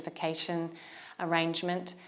và tôi nghĩ rằng điều này